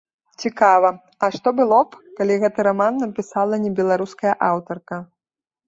Цікава, а што было б, калі гэты раман напісала не беларуская аўтарка?